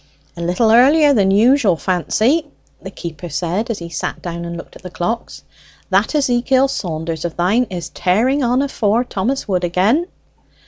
"A little earlier than usual, Fancy," the keeper said, as he sat down and looked at the clocks. "That Ezekiel Saunders o' thine is tearing on afore Thomas Wood again."